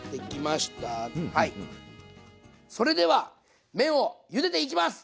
それでは麺をゆでていきます！